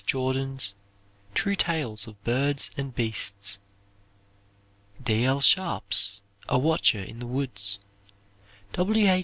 Jordan's "True Tales of Birds and Beasts." D. L. Sharp's "A Watcher in the Woods." W. H.